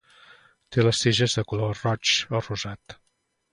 Té les tiges de color roig o rosat.